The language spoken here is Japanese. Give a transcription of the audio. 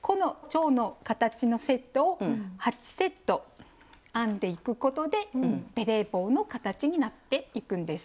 このチョウの形のセットを８セット編んでいくことでベレー帽の形になっていくんです。